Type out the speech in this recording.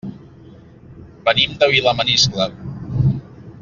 Venim de Vilamaniscle.